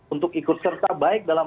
untuk ikut serta baik dalam